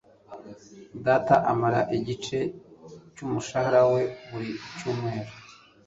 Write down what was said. Data amara igice cyumushahara we buri cyumweru.